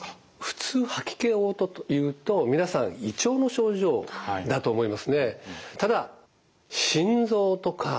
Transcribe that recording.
普通吐き気・おう吐というと皆さん胃腸の症状だと思いますね。